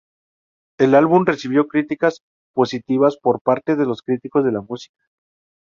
El álbum recibió críticas positivas por parte de los críticos de la música.